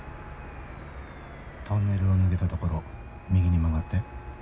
トンネルを抜けた所右に曲がって。